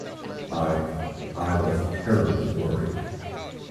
I—I was terribly worried.